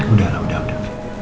udah lah udah udah